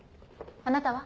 あなたは？